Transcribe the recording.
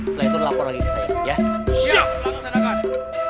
setelah itu lapor lagi ke saya ya